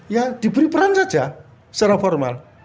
ya diberi peran saja secara formal